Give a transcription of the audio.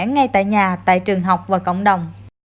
ngay tại nhà tại trường học và cộng đồng